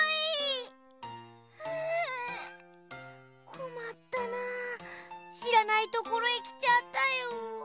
こまったなしらないところへきちゃったよ。